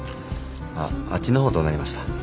あっあっちの方どうなりました？